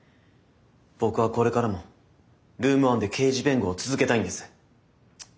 僕はこれからもルーム１で刑事弁護を続けたいんです。